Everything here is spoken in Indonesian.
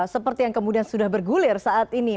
seperti yang kemudian sudah bergulir saat ini